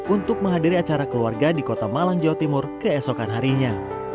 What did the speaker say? untuk menghadiri acara keluarga di kota malang jawa timur keesokan harinya